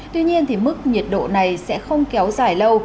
tuy nhiên mức nhiệt độ này sẽ không kéo dài lâu